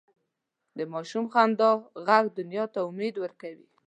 د ماشوم خندا ږغ دنیا ته امید ورکوي.